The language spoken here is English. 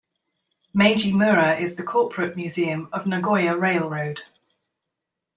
Meiji Mura is the corporate museum of Nagoya Railroad.